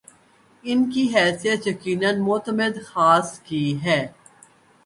‘ ان کی حیثیت یقینا معتمد خاص کی ہے۔